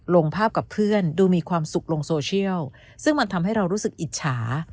ลงภาพกับเพื่อนดูมีความสุขลงโซเชียลซึ่งมันทำให้เรารู้สึกอิจฉา